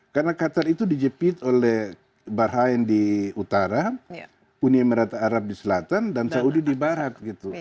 karena qatar itu dijepit oleh bahrain di utara uni emirat arab di selatan dan saudi di barat gitu